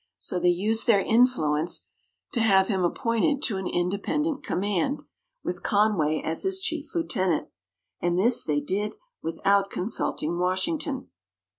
So they used their influence to have him appointed to an independent command, with Conway as his chief lieutenant. And this they did without consulting Washington.